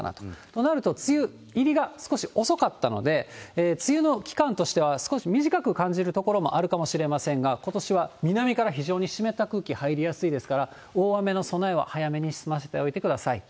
となると、梅雨入りが少し遅かったので、梅雨の期間としては、少し短く感じる所もあるかもしれませんが、ことしは南から非常に湿った空気入りやすいですから、大雨の備えは早めに済ませておいてください。